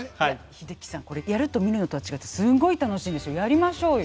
英樹さんこれやると見るのとは違ってすごい楽しいんですよやりましょうよ。